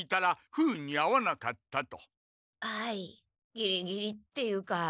ギリギリっていうか。